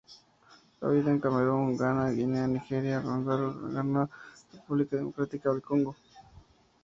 Habita en Camerún, Ghana, Guinea, Nigeria, Ruanda, Uganda y República Democrática del Congo.